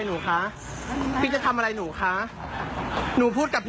ดูคลิปกันก่อนนะครับแล้วเดี๋ยวมาเล่าให้ฟังนะครับ